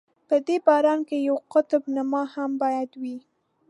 په دې باران کې یوه قطب نما هم باید وي.